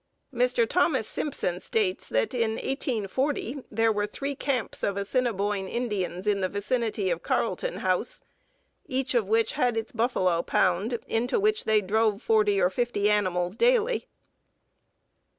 Mr. Thomas Simpson states that in 1840 there were three camps of Assinniboine Indians in the vicinity of Carlton House, each of which had its buffalo pound into which they drove forty or fifty animals daily.